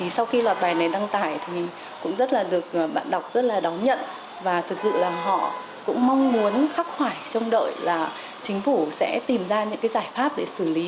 sau khi loạt bài này đăng tải thì cũng rất là được bạn đọc rất là đón nhận và thực sự là họ cũng mong muốn khắc khoải trông đợi là chính phủ sẽ tìm ra những giải pháp để xử lý